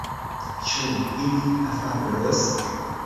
Ĉu ili afablos?